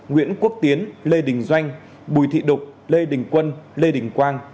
nguyễn quốc tiến lê đình doanh bùi thị đục lê đình quân lê đình quang